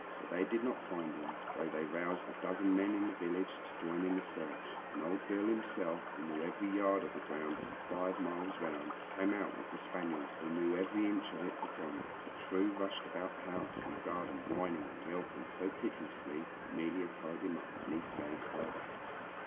But they did not find him, though they roused a dozen men in the village to join in the search, and old Beale himself, who knew every yard of the ground for five miles round, came out with the spaniel who knew every inch of it for ten. But True rushed about the house and garden whining and yelping so piteously that 'Melia tied him up, and he stayed tied up.